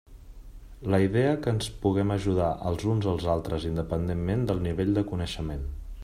La idea que ens puguem ajudar els uns als altres independentment del nivell de coneixement.